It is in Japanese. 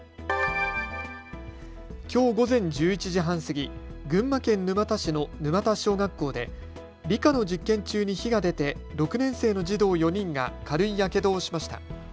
きょう午前１１時半過ぎ群馬県沼田市の沼田小学校で理科の実験中に火が出て６年生の児童４人が軽いやけどをしました。